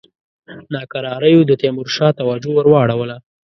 ناکراریو د تیمورشاه توجه ور واړوله.